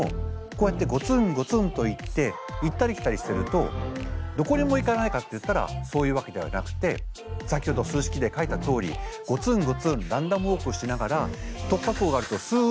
こうやってゴツンゴツンといって行ったり来たりしてるとどこにも行かないかっていったらそういうわけではなくて先ほど数式で書いたとおりゴツンゴツンランダムウォークしながら突破口があるとすっと行く。